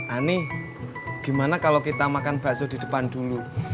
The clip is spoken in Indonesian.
ani gimana kalau kita makan bakso di depan dulu